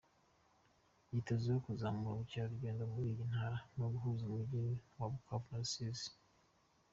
Yitezweho kuzamura ubukerarugendo muri iyi ntara no guhuza umujyi wa Bukavu na Rusizi.